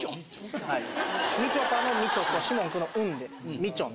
みちょぱの「みちょ」と士門くんの「ん」で『みちょん』。